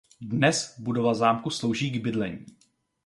Dnes budova zámku slouží k bydlení.